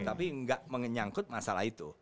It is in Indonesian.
tapi nggak menyangkut masalah itu